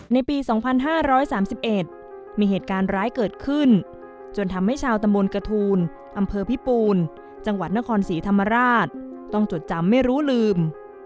ในปี๒๕๓๑มีเหตุการณ์ร้ายเกิดขึ้นจนทำให้ชาวตำบลกระทูลอำเภอพิปูนจังหวัดนครศรีธรรมราชต้องจดจำไม่รู้ลืม